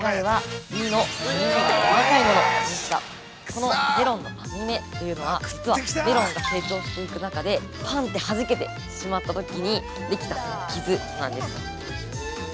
このメロンの網目というのは実はメロンが成長していく中で、はじけてしまったときにできた傷なんです。